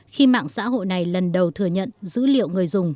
khi mạng xã hội này lần đầu thừa nhận dữ liệu người dùng